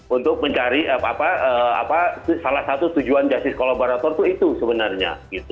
untuk mencari salah satu tujuan justice kolaborator itu sebenarnya